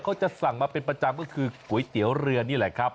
เขาจะสั่งมาเป็นประจำก็คือก๋วยเตี๋ยวเรือนี่แหละครับ